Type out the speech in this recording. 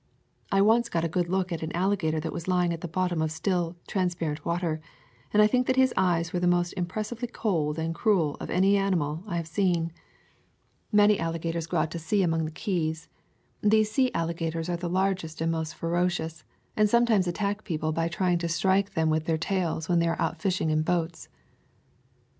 I once got a good look at an alligator that was lying at the bottom of still, transparent water, and I think that his eyes were the most impressively cold and cruel of any animal I have seen. Many alligators go [am] Florida Swamps and Forests out to sea among the keys. These sea alli gators are the largest and most ferocious, and sometimes attack people by trying to strike them with their tails when they are out fishing in boats.